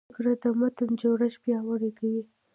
فقره د متن جوړښت پیاوړی کوي.